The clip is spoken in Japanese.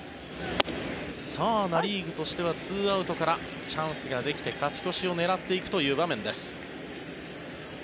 ナ・リーグとしては２アウトからチャンスができて勝ち越しを狙っていくという場面です。